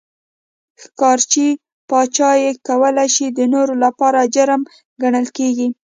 ښکار چې پاچا یې کولای شي د نورو لپاره جرم ګڼل کېږي.